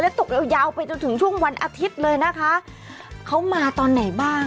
ตกยาวยาวไปจนถึงช่วงวันอาทิตย์เลยนะคะเขามาตอนไหนบ้าง